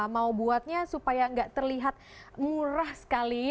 mau buatnya supaya nggak terlihat murah sekali